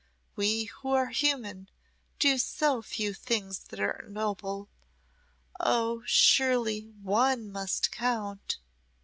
We who are human do so few things that are noble oh, surely one must count."